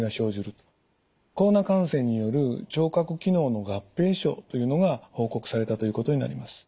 コロナ感染による聴覚機能の合併症というのが報告されたということになります。